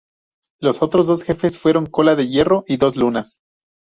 Los otros dos jefes fueron Cola de Hierro y Dos Lunas.